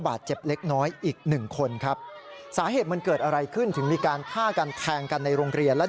โอ้โหโอ้โหโอ้โหโอ้โหโอ้โห